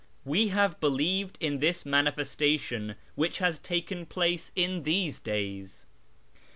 We have believed in this ' manifestation ' which has taken place in these days.